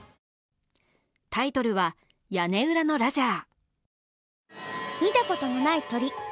タイトルは「屋根裏のラジャー」。